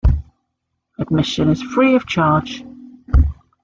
Admission is free of charge.